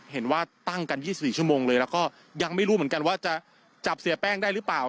เห็นว่าตั้งกัน๒๔ชั่วโมงเลยแล้วก็ยังไม่รู้เหมือนกันว่าจะจับเสียแป้งได้หรือเปล่า